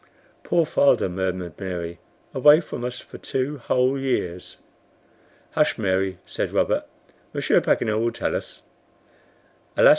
"Poor father," murmured Mary, "away from us for two whole years." "Hush, Mary," said Robert, "Monsieur Paganel will tell us." "Alas!